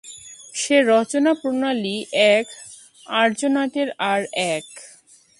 সে রচনা-প্রণালী এক, আর্যনাটকের আর এক।